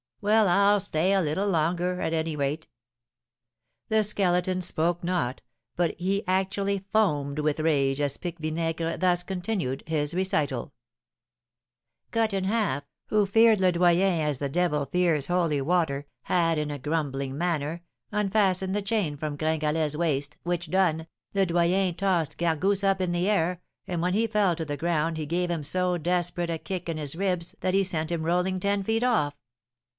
Well, I'll stay a little longer, at any rate!" The Skeleton spoke not, but he actually foamed with rage, as Pique Vinaigre thus continued his recital: "Cut in Half, who feared Le Doyen as the devil fears holy water, had, in a grumbling manner, unfastened the chain from Gringalet's waist, which done, Le Doyen tossed Gargousse up in the air, and when he fell to the ground he gave him so desperate a kick in his ribs that he sent him rolling ten feet off.